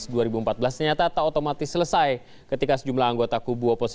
ternyata tak otomatis selesai ketika sejumlah anggota kubu oposisi